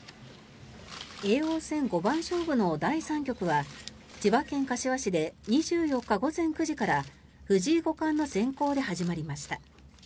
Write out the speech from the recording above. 叡王戦五番勝負の第３局は千葉県柏市で２４日午前９時から藤井五冠の先攻で始まりました。